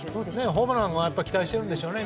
ホームランも期待しているんでしょうね。